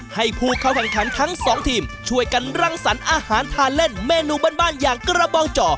ให้ผู้เข้าแข่งขันทั้งสองทีมช่วยกันรังสรรค์อาหารทานเล่นเมนูบ้านอย่างกระบองจ่อ